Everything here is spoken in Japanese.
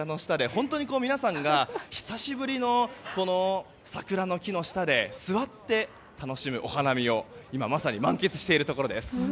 本当に皆さんが久しぶりに桜の木の下で座って、楽しむお花見を今まさに満喫しているところです。